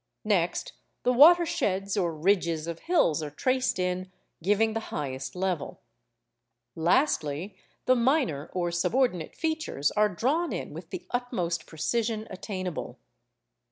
Next the watersheds or ridges of hills are traced in, giving the highest level. Lastly, the minor or subordinate features are drawn in with the utmost precision attainable.